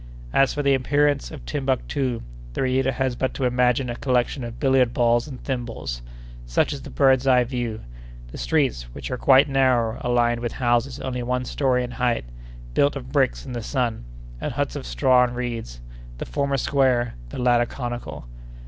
As for the appearance of Timbuctoo, the reader has but to imagine a collection of billiard balls and thimbles—such is the bird's eye view! The streets, which are quite narrow, are lined with houses only one story in height, built of bricks dried in the sun, and huts of straw and reeds, the former square, the latter conical.